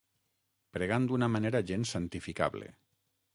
Pregant d'una manera gens santificable.